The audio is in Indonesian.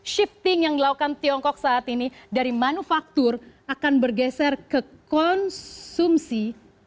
shifting yang dilakukan tiongkok saat ini dari manufaktur akan bergeser ke konsumsi